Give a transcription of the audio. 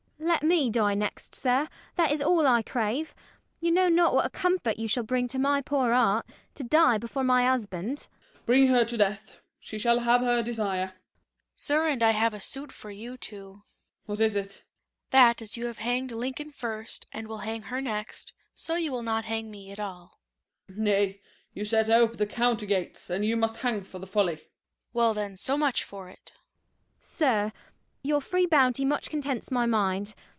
DOLL. Let me die next, sir; that is all I crave: You know not what a comfort you shall bring To my poor heart, to die before my husband. SHERIFF. Bring her to death; she shall have her desire. CLOWN. Sir, and I have a suit for you too. SHERIFF. What is it? CLOWN. That, as you have hanged Lincoln first, and will hang her next, so you will not hang me at all. SHERIFF. Nay, you set ope' the Counter gates, and you must hang for the folly. CLOWN. Well, then, so much for it! DOLL. Sir, your free bounty much contents my mind.